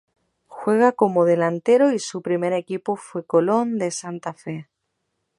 Juega como delantero y su primer equipo fue Colón de Santa Fe.